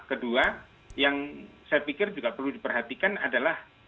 kedua yang saya pikir juga perlu diperhatikan adalah